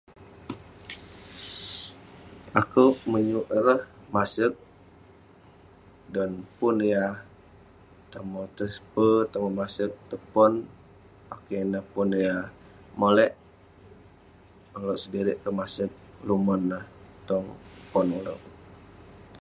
Akouk menyuk ireh maseg dan pun yah tomoh transfer, tomoh maseg tong pon. [unintelligible] yah molek, ulouk sedirik kek maseg numon neh tong pon ulouk.